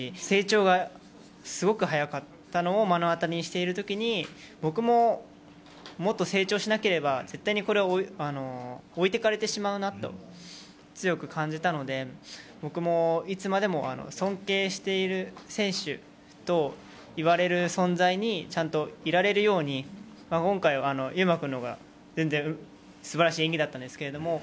成長がすごく早かったのを目の当りにしているときに僕も、もっと成長しなければこれは絶対に置いていかれてしまうなと強く感じたので僕もいつまでも尊敬している選手といわれる存在にちゃんといられるように今回，優真君の方が全然、素晴らしい演技だったんですけど